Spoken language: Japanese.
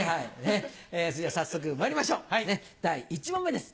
それでは早速まいりましょう第１問目です。